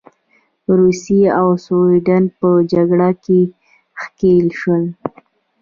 روسیې او سوېډن په جګړه کې ښکیل شول.